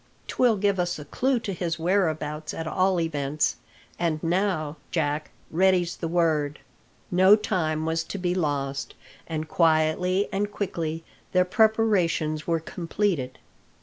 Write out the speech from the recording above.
'Twill give us a clue to his whereabouts, at all events. And now, Jack, ready's the word." No time was to be lost, and quietly and quickly their preparations were completed.